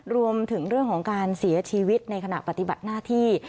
รวมถึงเรื่องของการเสียชีวิตในขณะปฏิบัติหน้าที่